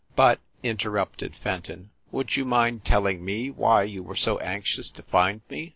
"But," interrupted Fenton, "would you mind tell ing me why you were so anxious to find me?